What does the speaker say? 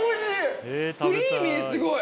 すごい。